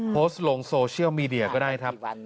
โพสต์ลงโซเชียลมีเดียก็ได้ครับ